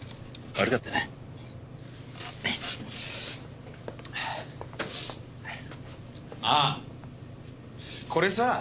ああこれさあ。